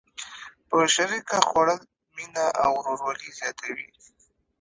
په شریکه خوړل مینه او ورورولي زیاتوي.